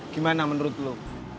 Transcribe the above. gimana menurut lu